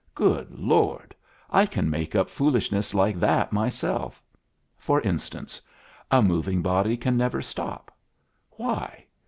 Good Lord! I can make up foolishness like that myself. For instance: A moving body can never stop. Why?